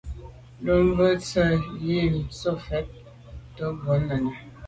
Lo’ mbwe nse’ yi me sote mfèt tô bo nène.